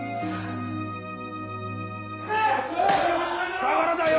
下からだよ！